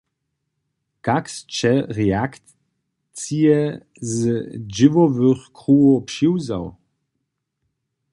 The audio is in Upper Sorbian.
Kak sće reakcije z dźěłowych kruhow přiwzał?